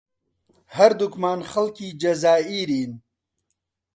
هەردووکمان خەڵکی جەزائیرین.